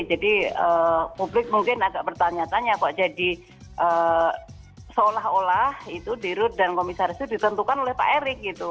jadi publik mungkin agak bertanya tanya kok jadi seolah olah itu dirut dan komisaris itu ditentukan oleh pak erick gitu